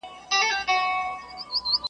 چی لېوه کړه د خره پښې ته خوله ورسمه .